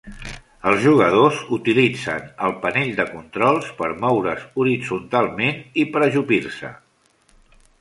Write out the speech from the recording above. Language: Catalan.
Els jugadors utilitzen el panell de control per moure's horitzontalment i per ajupir-se.